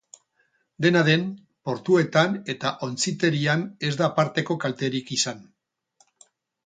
Dena den, portuetan eta ontziterian ez da aparteko kalterik izan.